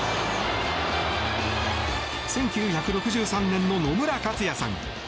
１９６３年の野村克也さん